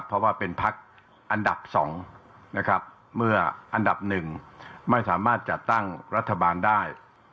เพราะว่าเป็นพักอันดับ๒นะครับเมื่ออันดับหนึ่งไม่สามารถจัดตั้งรัฐบาลได้